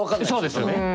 そうですよね。